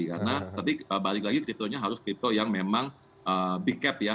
karena tapi balik lagi kriptonya harus kripto yang memang big cap ya